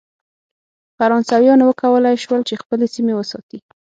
فرانسویانو وکولای شول چې خپلې سیمې وساتي.